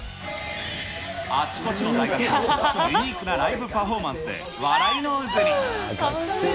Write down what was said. あちこちの大学でユニークなライブパフォーマンスで笑いの渦に。